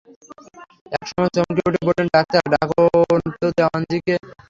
এক সময়ে চমকে উঠে বললে, ডাক্তার, ডাকো তো দেওয়ানজিকে।